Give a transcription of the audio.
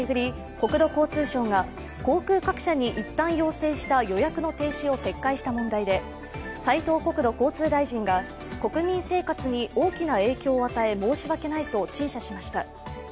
国土交通省が航空各社に一旦要請した予約の停止を撤回した問題で斉藤国土交通大臣が国民生活に大きな影響を与え申し訳ないと陳謝しました。